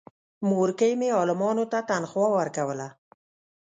مورکۍ مې عالمانو ته تنخوا ورکوله.